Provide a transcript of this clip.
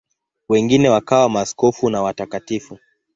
Wengine wakawa maaskofu na watakatifu.